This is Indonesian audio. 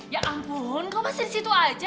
ya ampun kamu masih disitu aja